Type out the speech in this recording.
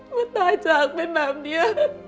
ว่าตายจากเป็นแบบนี้